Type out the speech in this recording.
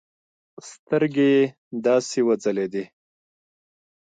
سترگې يې داسې وځلېدې.